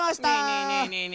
ねえねえねえねえ